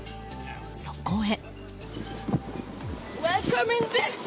そこへ。